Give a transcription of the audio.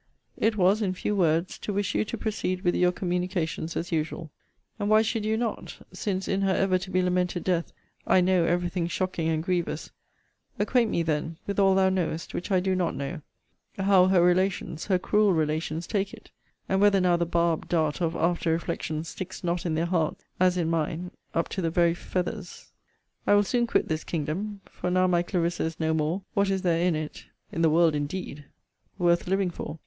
It was, in few words, to wish you to proceed with your communications, as usual. And why should you not; since, in her ever to be lamented death, I know every thing shocking and grievous acquaint me, then, with all thou knowest, which I do not know; how her relations, her cruel relations, take it; and whether now the barbed dart of after reflection sticks not in their hearts, as in mine, up to the very feathers. I will soon quit this kingdom. For now my Clarissa is no more, what is there in it (in the world indeed) worth living for?